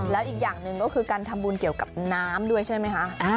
แล้วอีกอย่างหนึ่งก็คือการทำบุญเกี่ยวกับน้ำด้วยใช่ไหมคะ